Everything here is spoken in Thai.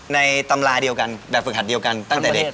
ตำราเดียวกันแบบฝึกหัดเดียวกันตั้งแต่เด็ก